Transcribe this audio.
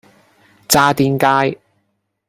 渣甸街